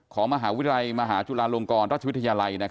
ของมหาวิทยาลัยมหาจุฬาลงกรราชวิทยาลัย